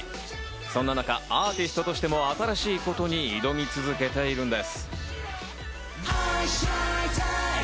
そんな中、アーティストとしても新しいことに挑み続けているんです。